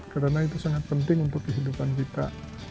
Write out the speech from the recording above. karena itu sangat penting untuk kehidupan kita